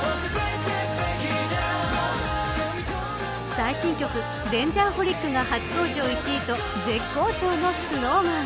最新曲Ｄａｎｇｅｒｈｏｌｉｃが初登場１位と絶好調のＳｎｏｗＭａｎ。